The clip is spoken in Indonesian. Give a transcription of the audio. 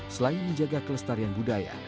selain menjaga kelestarian budaya